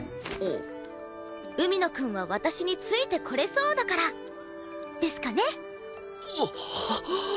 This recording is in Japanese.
海野くんは私についてこれそうだからですかね！